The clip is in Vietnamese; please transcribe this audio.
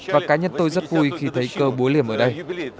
và cá nhân tôi rất vui khi thấy cơ bối liểm ở đây